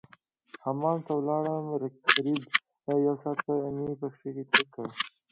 حمام ته ولاړم قريب يو ساعت مې پکښې تېر کړ.